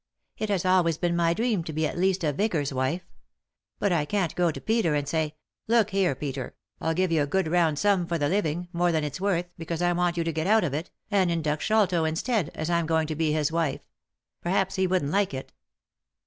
It has always been my dream to be at least a vicar's wife. But I can't go to Peter and say, 'Look here, Peter, I'll give you a good round sum for the living, more than it's worth, because I want you to get out of it, and induct Sholto instead, as I'm going to be his wife.' Perhaps he wouldn't like it."